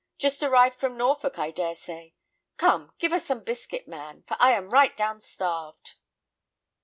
Just arrived from Norfolk, I dare say. Come, give us some biscuit, man, for I am right down starved."